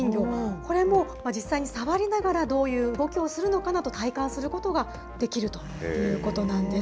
これも実際に触りながらどういう動きをするのかなど、体感することができるということなんです。